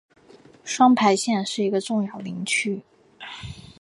双牌县是一个重要林区。